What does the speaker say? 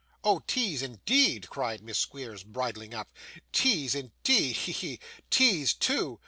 'Oh! Tease, indeed!' cried Miss Squeers, bridling up. 'Tease, indeed! He, he! Tease, too!